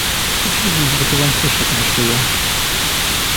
Poślij jej złoty łańcuszek na szyję.